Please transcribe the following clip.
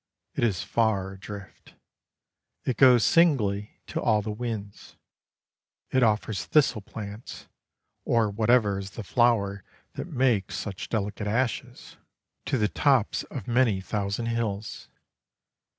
It is far adrift. It goes singly to all the winds. It offers thistle plants (or whatever is the flower that makes such delicate ashes) to the tops of many thousand hills.